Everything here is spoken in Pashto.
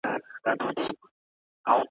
پیدا کړی چي خالق فاني جهان دی ,